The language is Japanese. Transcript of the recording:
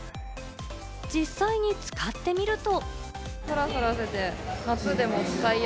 実際に使ってみると。